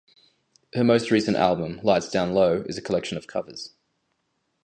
Her most recent album, "Lights Down Low", is a collection of covers.